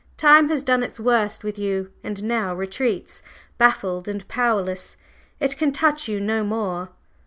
Time has done its worst with you, and now retreats, baffled and powerless; it can touch you no more!"